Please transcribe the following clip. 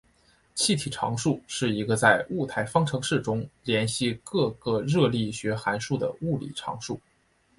气体常数是一个在物态方程式中连系各个热力学函数的物理常数。